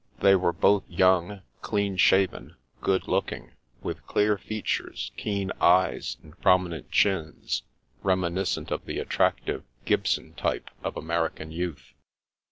They were both young, clean shaven, good looking ; with clear features, keen eyes, and prominent chins, reminiscent of the attractive " Gibson type " of American youth.